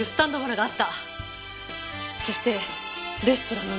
そしてレストランの並びに。